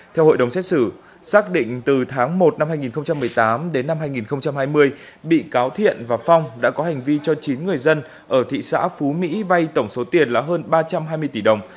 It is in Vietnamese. theo hội đồng xét xử xác định từ tháng một năm hai nghìn một mươi tám đến năm hai nghìn hai mươi bị cáo thiện và phong đã có hành vi cho chín người dân ở thị xã phú mỹ vay tổng số tiền là hơn ba trăm hai mươi tỷ đồng